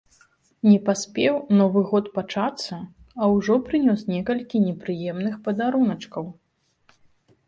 Не паспеў новы год пачацца, а ўжо прынёс некалькі непрыемных падаруначкаў.